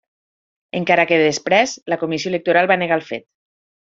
Encara que després, la Comissió Electoral va negar el fet.